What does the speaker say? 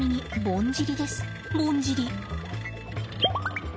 ぼんじり。